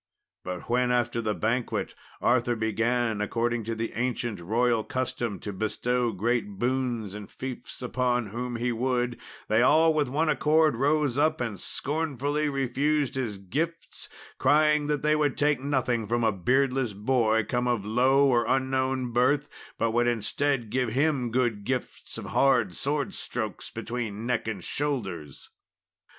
But when after the banquet Arthur began, according to the ancient royal custom, to bestow great boons and fiefs on whom he would, they all with one accord rose up, and scornfully refused his gifts, crying that they would take nothing from a beardless boy come of low or unknown birth, but would instead give him good gifts of hard sword strokes between neck and shoulders.